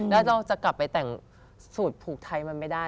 แล้วเราจะกลับไปแต่งสูตรผูกไทยมันไม่ได้